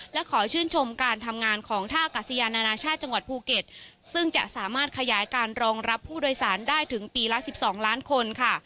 และขอชื่นชมการทำงานของท่ากัศยานานาชาติจังหวัดภูเก็ตซึ่งจะสามารถขยายการรองรับผู้โดยสารได้ถึงปีละ๑๒ล้านคนค่ะ